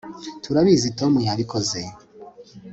turabizi tom yabikoze